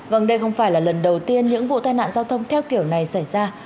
vâng đây không phải là lần đầu tiên những vụ tai nạn giao thông theo kiểu này xảy ra